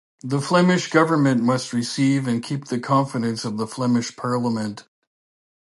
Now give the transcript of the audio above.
The Flemish Government must receive and keep the confidence of the Flemish Parliament.